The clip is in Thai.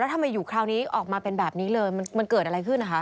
ทำไมอยู่คราวนี้ออกมาเป็นแบบนี้เลยมันเกิดอะไรขึ้นนะคะ